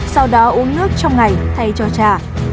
sau đó uống nước trong ngày thay cho cha